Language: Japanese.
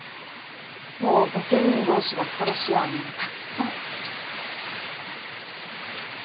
もう御家人同士が殺し合うのはたくさん。